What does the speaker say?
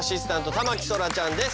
田牧そらちゃんです。